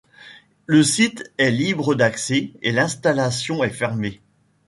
Le site est libre d'accès et l'installation est fermée.